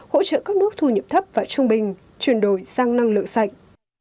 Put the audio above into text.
hỗ trợ các nước thu nhập thấp và trung bình chuyển đổi sang năng lượng sạch